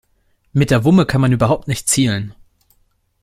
Mit der Wumme kann man überhaupt nicht zielen.